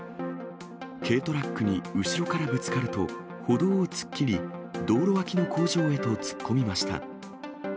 軽トラックに後ろからぶつかると、歩道を突っ切り、道路脇の工場へと突っ込みました。